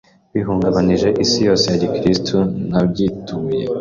bahungabanije isi yose ya gikirisitu nabyituye